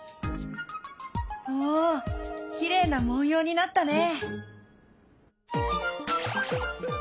おきれいな文様になったね。